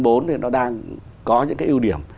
thì nó đang có những cái ưu điểm